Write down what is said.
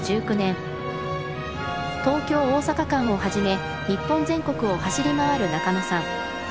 東京大阪間をはじめ日本全国を走り回る中野さん。